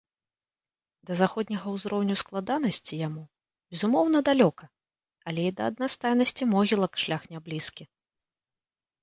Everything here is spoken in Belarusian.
Да заходняга ўзроўню складанасці яму, безумоўна, далёка, але і да аднастайнасці могілак шлях няблізкі.